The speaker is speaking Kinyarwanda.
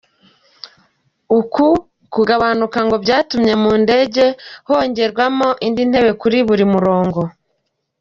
Uku kugabanuka ngo kwatumye mu ndege hongerwamo indi ntebe kuri buri murongo.